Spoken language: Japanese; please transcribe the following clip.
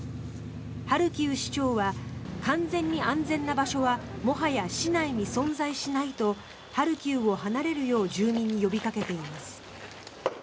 ハルキウ市長は完全に安全な場所はもはや市内に存在しないとハルキウを離れるよう住民に呼びかけています。